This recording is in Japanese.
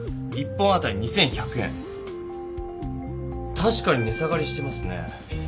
たしかにね下がりしてますね。